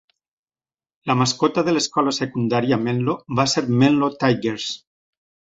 La mascota del l'escola secundària Menlo va ser Menlo Tigers.